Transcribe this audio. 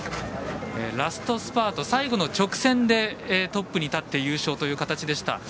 ラストスパート、最後の直線でトップに立って優勝という形でした。